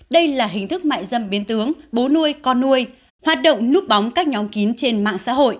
đây là hình thức mại dâm biến tướng bố nuôi con nuôi hoạt động núp bóng các nhóm kín trên mạng xã hội